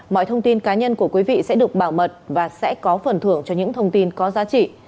mọi thông tin cá nhân của quý vị sẽ được bảo mật và sẽ có phần thưởng cho những thông tin có giá trị